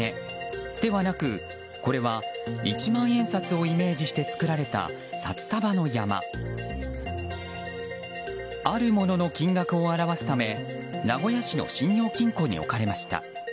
ではなくこれは、一万円札をイメージして作られた札束の山。あるものの金額を表すため名古屋市の信用金庫に置かれました。